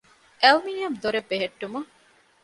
އެލްމިނިއަމް ދޮރެއް ބެހެއްޓުމަށް